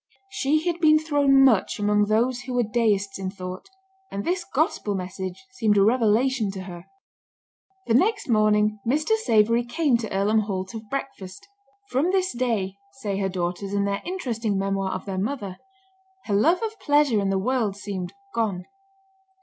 She had been thrown much among those who were Deists in thought, and this gospel message seemed a revelation to her. The next morning Mr. Savery came to Earlham Hall to breakfast. "From this day," say her daughters, in their interesting memoir of their mother, "her love of pleasure and the world seemed gone."